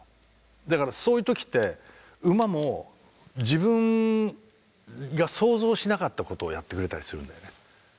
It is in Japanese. だからそういう時って馬も自分が想像しなかったことをやってくれたりするんだよね。